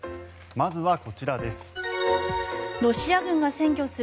まずはこちらです。